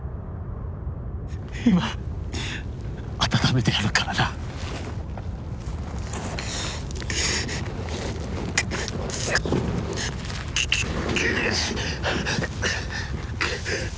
今温めてやるからなぐうっ！